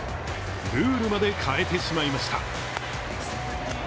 ルールまで変えてしまいました。